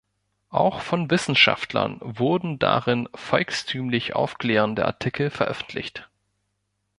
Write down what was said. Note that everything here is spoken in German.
Auch von Wissenschaftlern wurden darin „volkstümlich“ aufklärende Artikel veröffentlicht.